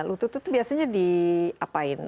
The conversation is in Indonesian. lutut itu biasanya diapain